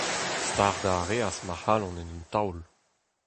Stardañ a reas ma c'halon en un taol.